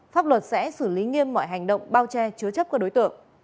pháp luật sẽ xử lý nghiêm mọi hành động bao che chứa chấp các đối tượng